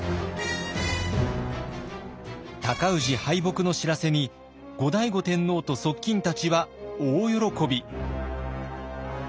尊氏敗北の知らせに後醍醐天皇と側近たちは大喜び。